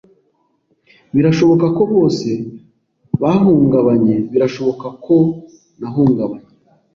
birashoboka ko bose bahungabanye; birashoboka ko nahungabanye